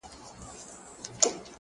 د ژوند يې يو قدم سو، شپه خوره سوه خدايه،